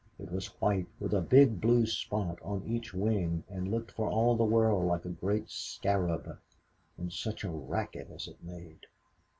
It was white, with a big blue spot on each wing, and looked for all the world like a great scarab, and such a racket as it made!